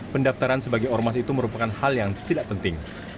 pendaftaran sebagai ormas itu merupakan hal yang tidak penting